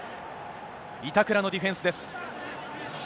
板倉のディフェンスです。